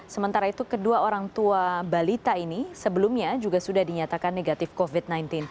sementara itu kedua orang tua balita ini sebelumnya juga sudah dinyatakan negatif covid sembilan belas